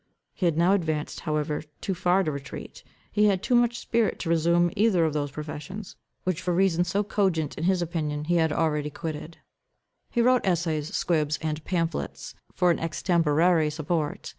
He had now advanced however too far to retreat. He had too much spirit to resume either of those professions, which for reasons so cogent in his opinion, he had already quitted. He wrote essays, squibs, and pamphlets for an extemporary support.